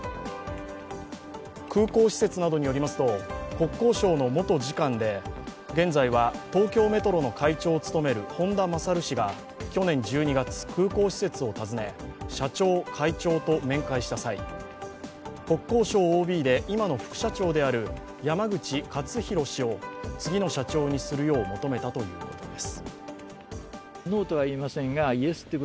空港施設などによりますと、国交省の元次官で現在は東京メトロの会長を務める本田勝氏が去年１２月、空港施設を訪ね、社長、会長と面会した際、国交省ＯＢで今の副社長である山口勝弘氏を次の社長にするよう求めたということです。